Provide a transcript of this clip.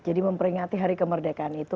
jadi memperingati hari kemerdekaan itu